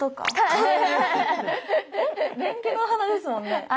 蓮華の花ですもんね。